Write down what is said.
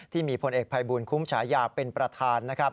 ที่มีผลเอกภัยบูลคุ้มฉายาเป็นประธานนะครับ